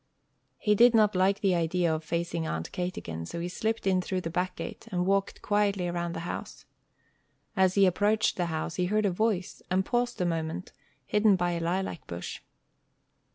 He did not like the idea of facing Aunt Kate again, so he slipped in through the back gate, and walked quietly around the house. As he approached the house, he heard a voice, and paused a moment, hidden by a lilac bush.